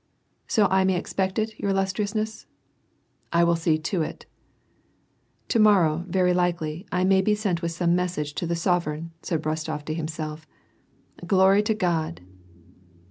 " So I may expect it, your illustriousness ?" "I will see to it." "To morrow, very likely, I may be sent with some message to the sovereign," said Rostof to himself. " Glory to God